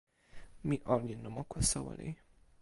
mi olin e moku soweli.